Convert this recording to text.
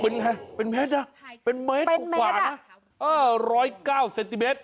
ใช่เป็นมันกว่าเนี่ย๑๐๙เซนติเมตร